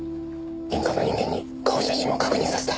隣家の人間に顔写真を確認させた。